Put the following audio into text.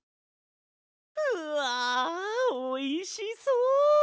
うわおいしそう！